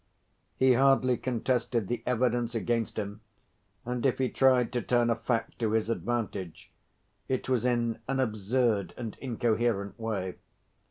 He hardly contested the evidence against him, and if he tried to turn a fact to his advantage, it was in an absurd and incoherent way.